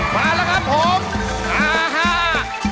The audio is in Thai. มาแล้วครับผมมาฮ่า